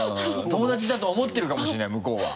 友達だと思ってるかもしれない向こうは。